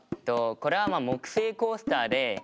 これはまあ木製コースターでああ！